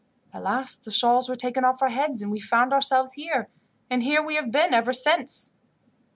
At last the shawls were taken off our heads, and we found ourselves here, and here we have been ever since."